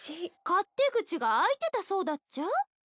勝手口が開いてたそうだっちゃ弁天。